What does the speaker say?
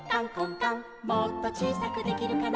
「もっとちいさくできるかな」